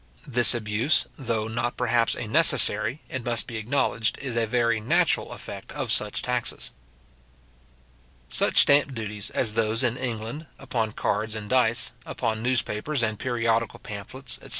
This abuse, though not perhaps a necessary, it must be acknowledged, is a very natural effect of such taxes. Such stamp duties as those in England upon cards and dice, upon newspapers and periodical pamphlets, etc.